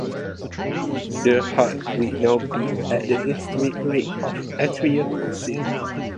The heart will now beat at the intrinsic rate of the atrial foci.